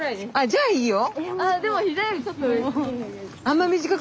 じゃあいいよ。